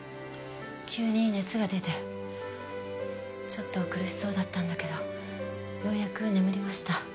急に熱が出てちょっと苦しそうだったんだけどようやく眠りました